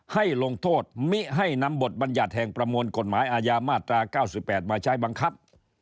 ให้ลงโทษมิให้นำบทบรรยัติแห่งประมวลกฎหมายอาญามาตรา๙๘มาใช้บังคับ